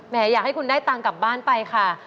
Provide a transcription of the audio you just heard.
อยากให้คุณได้ตังค์กลับบ้านไปค่ะ